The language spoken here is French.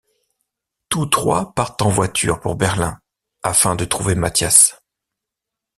Tous trois partent en voiture pour Berlin afin de trouver Mathias.